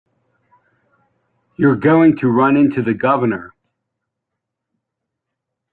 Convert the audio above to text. You're going to run into the Governor.